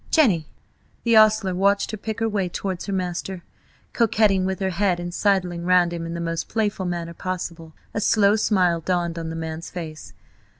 Jenny!" The ostler watched her pick her way towards her master, coquetting with her head, and sidling round him in the most playful manner possible. A slow smile dawned on the man's face.